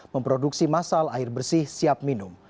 memproduksi masal air bersih siap minum